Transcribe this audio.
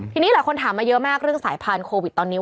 ทีนี้หลายคนถามมาเยอะมากเรื่องสายพันธุวิตตอนนี้